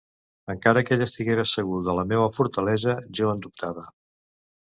Encara que ell estiguera segur de la meua fortalesa, jo en dubtava.